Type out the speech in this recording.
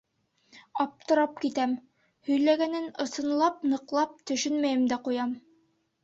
Аптырап китәм, һөйләгәнен, ысынлап, ныҡлап төшөнмәйем дә ҡуям.